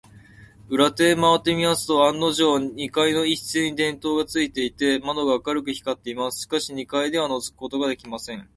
裏手へまわってみますと、案のじょう、二階の一室に電燈がついていて、窓が明るく光っています。しかし、二階ではのぞくことができません。